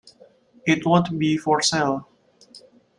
It won't be for sale.